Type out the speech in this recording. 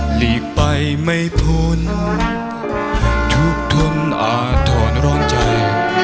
หลีกไปไม่พ้นทุกคนอาจถอนร้อนใจ